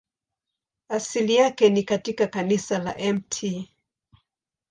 Asili yake ni katika kanisa la Mt.